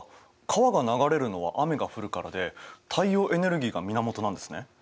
川が流れるのは雨が降るからで太陽エネルギーが源なんですね。